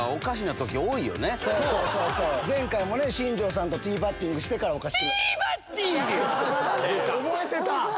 前回もね新庄さんとティーバッティングしてからおかしく。